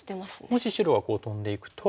もし白がトンでいくと。